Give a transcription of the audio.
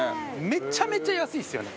めちゃめちゃ安いですよね！